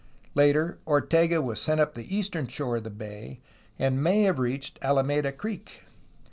Later, Ortega was sent up the eastern shore of the bay, and may have reached Alameda Creek.